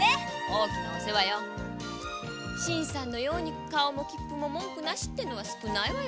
大きなお世話新さんのように顔も気っぷも文句なしっての少ないわ。